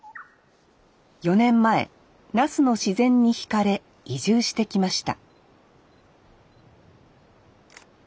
４年前那須の自然にひかれ移住してきました